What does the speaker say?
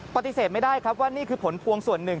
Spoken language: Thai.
ปฏิเสธไม่ได้ครับว่านี่คือผลพวงส่วนหนึ่ง